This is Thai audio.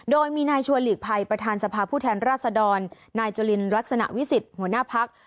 โดยมีนายชวนหลีกภัยประธานสภาพผู้แทนราชดรนายจุลินลักษณะวิสิทธิ์หัวหน้าพัก